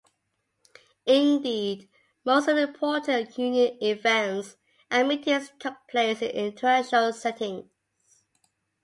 Indeed, most of the important union events and meetings took place in interracial settings.